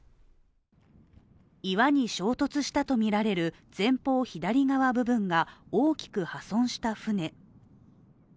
岩に衝突したとみられる前方左側部分が大きく破損した舟。